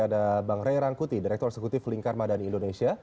dan di sebelah mbak titi ada bang ray rangkuti direktur eksekutif lingkar madani indonesia